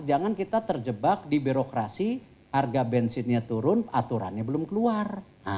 jangan kita terjebak di birokrasi harga bensinnya turun aturannya belum keluar